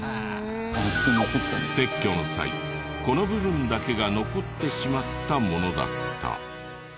撤去の際この部分だけが残ってしまったものだった。